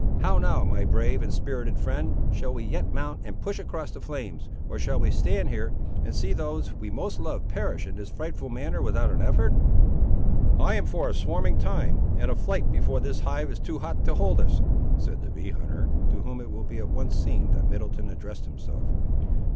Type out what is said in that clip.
how now, my brave and spirited friend, shall we yet mount and push across the flames, or shall we stand here, and see those we most love perish in this frightful manner, without an effort?" "I am for a swarming time, and a flight before the hive is too hot to hold us," said the bee hunter, to whom it will be at once seen that Middleton addressed himself.